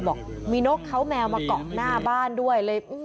บอกมีนกเขาแมวมาเกาะหน้าบ้านด้วยเลย